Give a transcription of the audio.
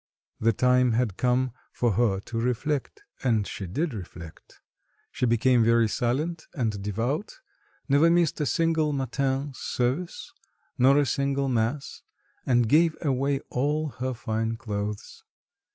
The time had come for her to reflect. And she did reflect. She became very silent and devout, never missed a single matin's service nor a single mass, and gave away all her fine clothes.